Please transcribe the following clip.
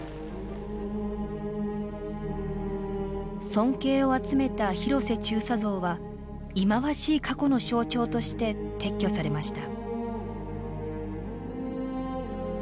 尊敬を集めた広瀬中佐像は忌まわしい過去の象徴として撤去されました。